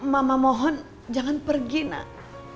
mama mohon jangan pergi nak